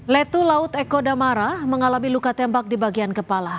letu laut eko damara mengalami luka tembak di bagian kepala